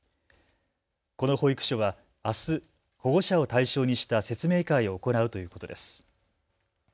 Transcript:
この保育所はあす保護者を対象にした説明会を行うということです。